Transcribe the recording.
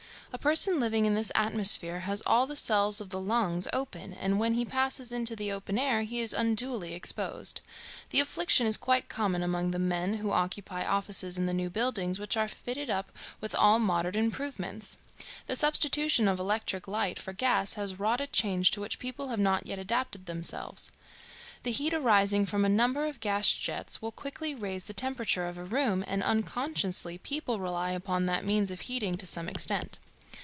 A person living in this atmosphere has all the cells of the lungs open, and when he passes into the open air he is unduly exposed. The affliction is quite common among the men who occupy offices in the new buildings which are fitted up with all modern improvements. The substitution of electric light for gas has wrought a change to which people have not yet adapted themselves. The heat arising from a number of gas jets will quickly raise the temperature of a room, and unconsciously people rely upon that means of heating to some extent.